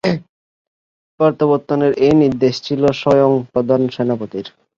প্রত্যাবর্তনের এই নির্দেশ ছিল স্বয়ং প্রধান সেনাপতির।